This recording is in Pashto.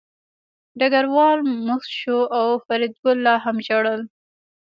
ډګروال موسک شو او فریدګل لا هم ژړل